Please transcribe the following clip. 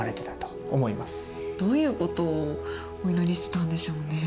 どういうことをお祈りしてたんでしょうね。